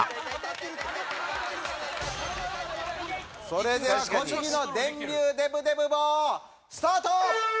それでは小杉の電流デブデブ棒スタート！